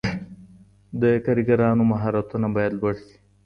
د کارګرانو مهارتونه باید لوړ سي.